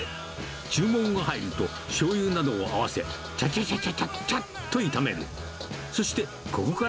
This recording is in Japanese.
注文が入ると、しょうゆなどを合わせ、ちゃちゃちゃちゃちゃっちゃと炒める。